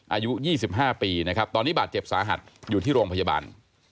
อายุ๒๕ปีนะครับตอนนี้บาดเจ็บสาหัสอยู่ที่โรงพยาบาล